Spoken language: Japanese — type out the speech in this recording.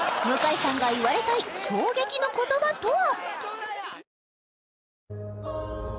向井さんが言われたい衝撃の言葉とは？